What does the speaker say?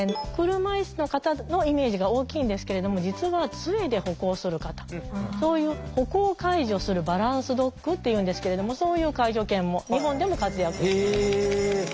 車いすの方のイメージが大きいんですけれども実はつえで歩行する方そういう歩行を介助するバランスドッグっていうんですけれどもそういう介助犬も日本でも活躍してます。